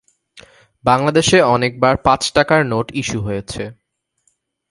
বাংলাদেশে অনেকবার পাঁচ টাকার নোট ইস্যু হয়েছে।